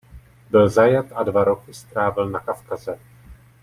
Byl zajat a dva roky strávil na Kavkaze.